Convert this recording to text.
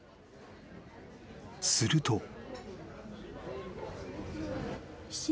［すると］